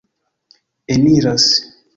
eniras